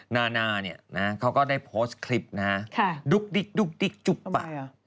นานาเนี่ยเขาก็ได้โพสต์คลิปนะฮะดุ๊กดิ๊กดุ๊กดิ๊กจุ๊บป่ะ